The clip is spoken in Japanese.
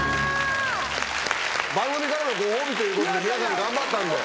番組からのご褒美ということで皆さん頑張ったんで。